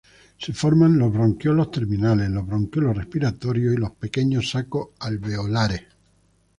Se forman los bronquiolos terminales, los bronquiolos respiratorios y los pequeños sacos alveolares.